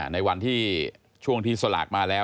ในวันที่ช่วงที่สลากมาแล้ว